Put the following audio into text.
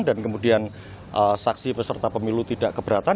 dan kemudian saksi peserta pemilu tidak keberatan